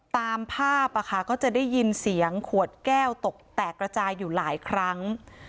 ตามภาพก็จะได้ยินเสียงขวดแก้วตกแตกระจายอยู่หลายครั้ง